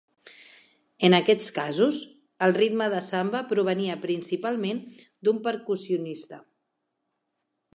En aquests casos, el ritme de la samba provenia principalment d'un percussionista.